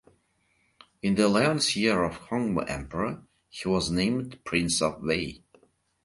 In the eleventh year of Hongwu Emperor he wad named Prince of Wei.